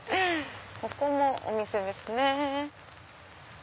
ここもお店ですね。